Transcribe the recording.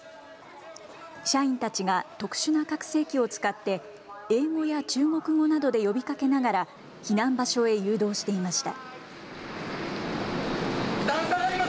社員たちが特殊な拡声機を使って英語や中国語などで呼びかけながら避難場所へ誘導していました。